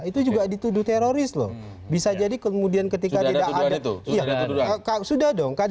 tapi begini pak